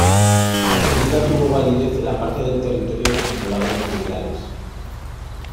La medida tuvo validez en la parte del territorio que controlaban los Liberales.